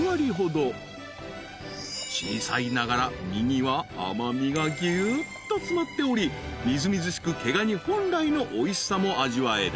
［小さいながら身には甘味がぎゅっと詰まっておりみずみずしく毛ガニ本来のおいしさも味わえる］